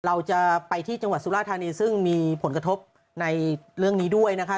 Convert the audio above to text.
เราจะไปที่จังหวัดสุราธานีซึ่งมีผลกระทบในเรื่องนี้ด้วยนะคะ